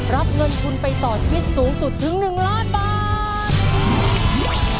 รับเงินทุนไปต่อชีวิตสูงสุดถึง๑ล้านบาท